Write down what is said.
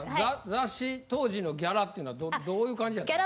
雑誌当時のギャラっていうのはどういう感じやったんですか？